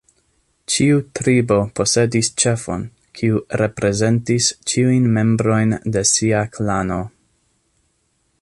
Ĉiu tribo posedis ĉefon, kiu reprezentis ĉiujn membrojn de sia klano.